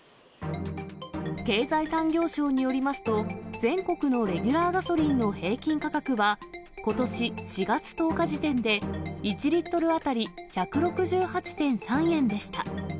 経済産業省によりますと、全国のレギュラーガソリンの平均価格は、ことし４月１０日時点で、１リットル当たり１６８．３円でした。